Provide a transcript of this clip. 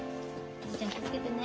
おじいちゃん気を付けてね。